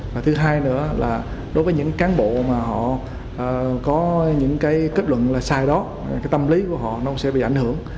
và thứ hai nữa là đối với những cán bộ mà họ có những cái kết luận là sai đó cái tâm lý của họ nó sẽ bị ảnh hưởng